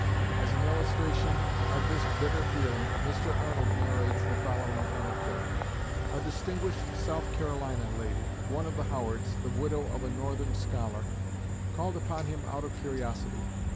As an illustration of this bitter feeling, Mr. Arnold narrates the following anecdote: "A distinguished South Carolina lady one of the Howards the widow of a Northern scholar, called upon him out of curiosity.